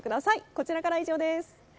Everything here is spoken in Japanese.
こちらからは以上です。